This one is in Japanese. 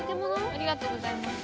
ありがとうございます。